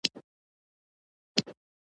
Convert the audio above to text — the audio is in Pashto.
رسمي ارقامو کې نه دی.